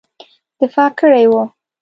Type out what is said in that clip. دفاع کړې وه.